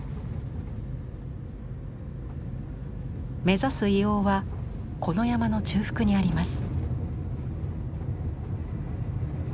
目指す硫黄はこの山の中腹にあります。